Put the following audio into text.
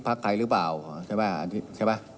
ภักดิ์ไทยหรือเปล่าใช่ไหม